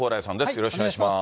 よろしくお願いします。